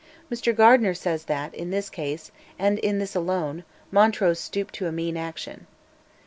Mr Gardiner says that, in this case, and in this alone, Montrose stooped to a mean action.)